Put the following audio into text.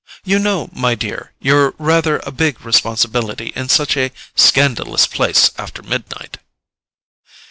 You know, my dear, you're rather a big responsibility in such a scandalous place after midnight."